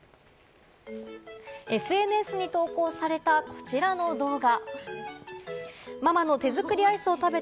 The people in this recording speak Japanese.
ＳＮＳに投稿された、こちらの動画。